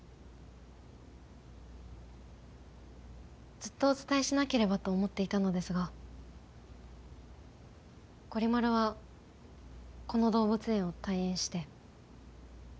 ずっとお伝えしなければと思っていたのですがゴリ丸はこの動物園を退園して。